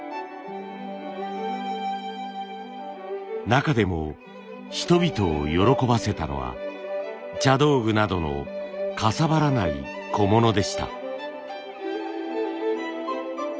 中でも人々を喜ばせたのは茶道具などのかさばらない小物でした。